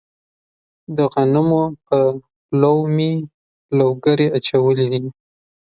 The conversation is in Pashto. د غنمو په لو مې لوګري اچولي دي.